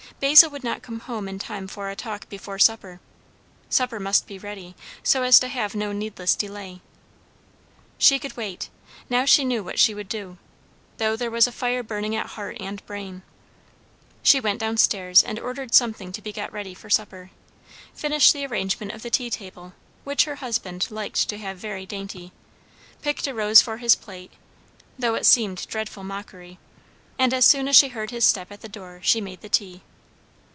Basil would not come home in time for a talk before supper; supper must be ready, so as to have no needless delay. She could wait, now she knew what she would do; though there was a fire burning at heart and brain. She went down stairs and ordered something to be got ready for supper; finished the arrangement of the tea table, which her husband liked to have very dainty; picked a rose for his plate, though it seemed dreadful mockery; and as soon as she heard his step at the door she made the tea.